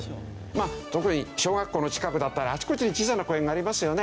まあ特に小学校の近くだったらあちこちに小さな公園がありますよね。